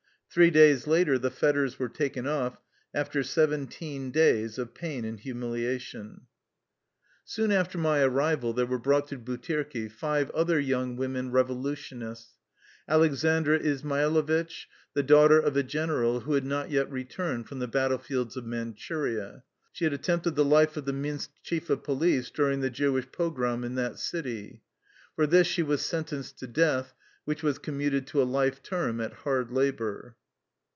Three days later the fetters were taken off, after seventeen days of pain and humiliation. 167 THE LIFE STOEY OF A EUSSIAN EXILE Soon after my arrival there were brought to Butirki йте other young women revolutionists: Aleksandra Izmailovitch, the daughter of a gen eral who had not yet returned from the battle fields of Manchuria. She had attempted the life of the Minsk chief of police during the Jew ish pogrom in that city. For this she was sen tenced to death, which was commuted to a life term at hard labor.